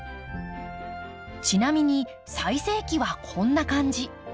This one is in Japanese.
ちなみに最盛期はこんな感じ。